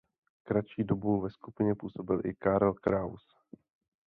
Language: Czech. Kratší dobu ve skupině působil i Karl Kraus.